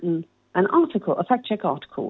untuk melihat jika seseorang sudah menulis artikel